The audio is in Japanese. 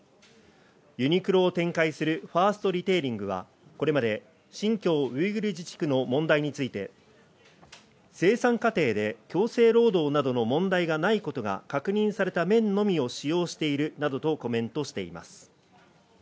ユニクロを展開するファーストリテイリングはこれまで新疆ウイグル自治区の問題について、生産過程で強制労働などの問題がないことが確認された綿のみを使用しているなどとコメントしています。